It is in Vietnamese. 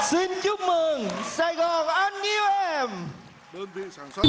xin chúc mừng sài gòn anh yêu em